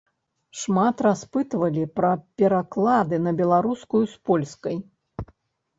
Шмат распытвалі пра пераклады на беларускую з польскай.